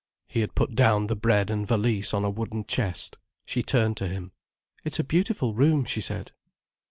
He had put down the bread and valise on a wooden chest. She turned to him. "It's a beautiful room," she said.